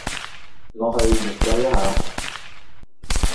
我去研究一下